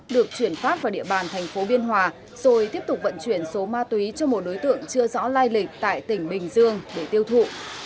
được chuyển phát vào địa bàn thành phố biên hòa rồi tiếp tục vận chuyển số ma túy cho một đối tượng chưa rõ lai lịch tại tỉnh bình dương để tiêu thụ